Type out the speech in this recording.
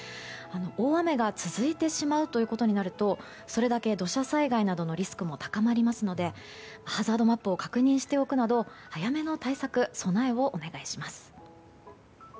大雨が続いてしまうとそれだけ土砂災害などのリスクも高まりますのでハザードマップを確認しておくなど、早めの対策や備えをお願いします。